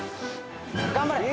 頑張れ！